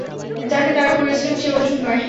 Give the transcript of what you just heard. যাকে তাড়া করছিলাম, সে অর্জুন নয়।